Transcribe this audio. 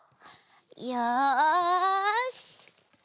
よし！